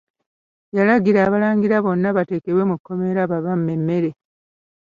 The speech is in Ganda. Yalagira Abalangira bonna bateekebwe mu kkomera babamme emmere.